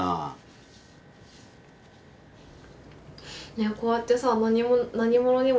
ねえこうやってさ何で？